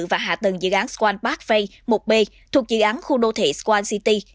và hạ tầng dự án swan parkway một b thuộc dự án khu đô thị swan city